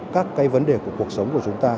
các cái vấn đề của cuộc sống của chúng ta